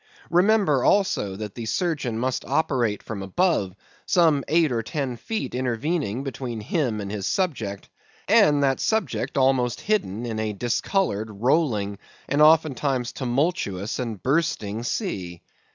Remember, also, that the surgeon must operate from above, some eight or ten feet intervening between him and his subject, and that subject almost hidden in a discoloured, rolling, and oftentimes tumultuous and bursting sea.